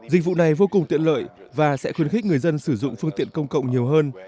dịch vụ này vô cùng tiện lợi và sẽ khuyến khích người dân sử dụng phương tiện công cộng nhiều hơn